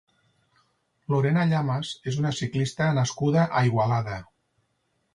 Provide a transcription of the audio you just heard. Lorena Llamas és una ciclista nascuda a Igualada.